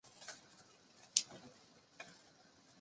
而故事的本质经由设置在疗养院中被加强。